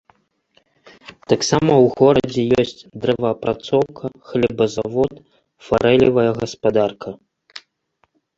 Таксама ў горадзе ёсць дрэваапрацоўка, хлебазавод, фарэлевая гаспадарка.